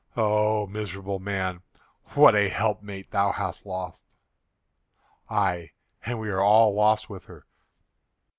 "O miserable man, what a helpmeet thou hast lost!" "Ay, and we are all lost with her."